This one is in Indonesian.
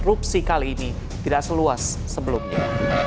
erupsi kali ini tidak seluas sebelumnya